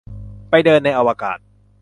ไปเดินในอวกาศ